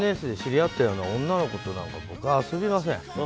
ＳＮＳで知り合ったような女の子となんか僕は遊びません。